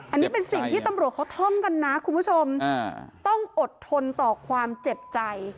อันนี้เป็นสิ่งที่ตำรวจเขาท่องกันนะคุณผู้ชมต้องอดทนต่อความเจ็บใจ